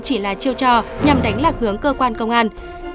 chỉ là chiêu trò nhằm đánh lạc hướng cơ quan công an